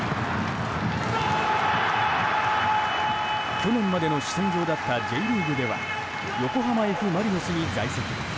去年までの主戦場だったＪリーグでは横浜Ｆ・マリノスに在籍。